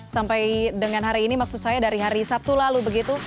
sampai dengan hari ini maksud saya dari hari sabtu lalu begitu